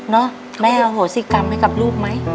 นะแม่เอาหัวศิกรรมไปกับลูกไหม